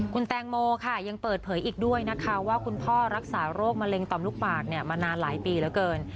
คุณแตงโมค่ะยังเปิดเผยอีกด้วยนะคะว่าคุณพ่อรักษาโรคมะเร็งต่อมลูกปากมานานหลายปีเหลือเกิน